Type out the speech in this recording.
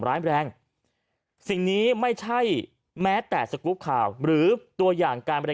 ร้ายแรงสิ่งนี้ไม่ใช่แม้แต่สกรูปข่าวหรือตัวอย่างการบรรยาย